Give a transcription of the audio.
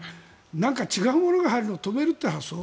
なんか違うものが入るのを止めるという発想。